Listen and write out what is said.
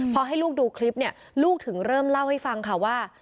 พอให้ลูกดูคลิปเนี่ยลูกถึงเริ่มเล่าให้ฟังค่ะว่า